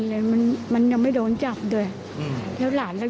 มันจะมาเอาเหมือนว่ามั้ยบอกะยาไปบอกเขาด้วยลูก